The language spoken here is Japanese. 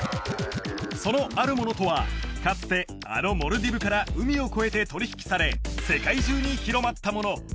そのあるものとはかつてあのモルディブから海を越えて取り引きされ世界中に広まったもの